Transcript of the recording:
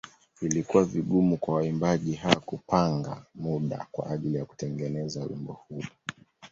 Ilikuwa vigumu kwa waimbaji hawa kupanga muda kwa ajili ya kutengeneza wimbo huu.